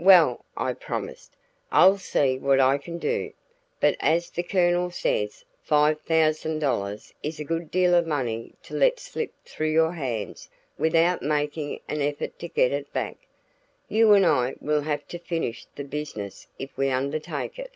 "Well," I promised, "I'll see what I can do; but as the Colonel says, five thousand dollars is a good deal of money to let slip through your hands without making an effort to get it back. You and I will have to finish the business if we undertake it."